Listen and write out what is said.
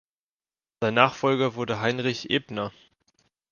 Sein Nachfolger wurde Heinrich Ebner.